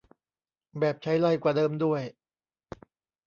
แบบไฉไลกว่าเดิมด้วย